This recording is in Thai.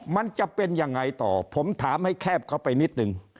มันจะเป็นยังไงต่อผมถามให้แคบเข้าไปนิดนึง